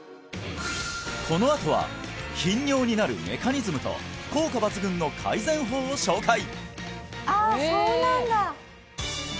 このあとは頻尿になるメカニズムと効果抜群の改善法を紹介！